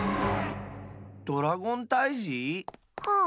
ドラゴンたいじ？はあ。